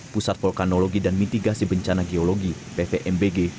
pusat vulkanologi dan mitigasi bencana geologi pvmbg